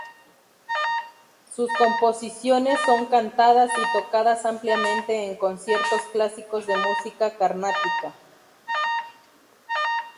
Sus composiciones son cantadas y tocadas ampliamente en conciertos clásicos de música carnática.